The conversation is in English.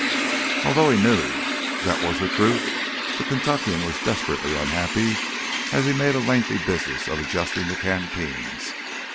Although he knew that was the truth, the Kentuckian was desperately unhappy as he made a lengthy business of adjusting the canteens.